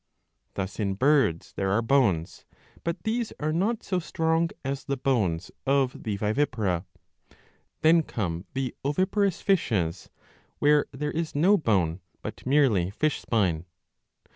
Thus in Birds there are bones, but these are not so strong as the bones of the Vivipara.^ Then come the Oviparous fishes, where there is no bone, but merely fish spine.